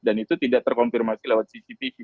dan itu tidak terkonfirmasi lewat cctv